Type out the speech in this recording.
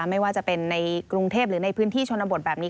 ไม่ว่าจะเป็นในกรุงเทพหรือในพื้นที่ชนบทแบบนี้